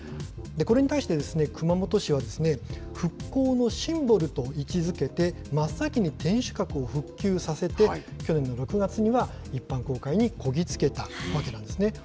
これに対して熊本市は、復興のシンボルと位置づけて、真っ先に天守閣を復旧させて、去年の６月には一般公開にこぎ着けたわけなんですね。